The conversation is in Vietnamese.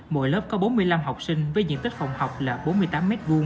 mỗi lớp có bốn mươi năm học sinh với diện tích phòng học là bốn mươi tám m hai